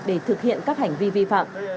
để thực hiện các hành vi vi phạm